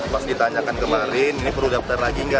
pas ditanyakan kemarin ini perlu daftar lagi nggak